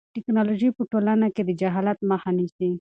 ټیکنالوژي په ټولنه کې د جهالت مخه نیسي.